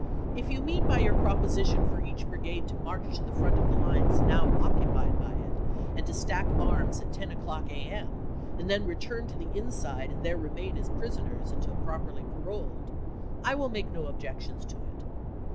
If you mean by your proposition for each brigade to march to the front of the lines now occupied by it, and stack arms at ten o'clock A. M., and then return to the inside and there remain as prisoners until properly paroled, I will make no objection to it.